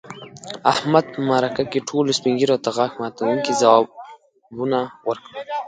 احمد په مرکه کې ټولو سپین ږیرو ته غاښ ماتونکي ځوابوه ورکړل.